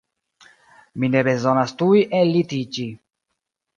Mi ne bezonas tuj ellitiĝi.